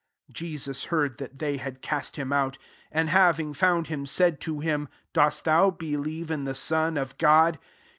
34 Jesus heard that they had cast him out : and having found him, said to him, " Dost thou believe in the Sonof God